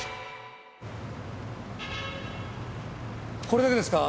これだけですか？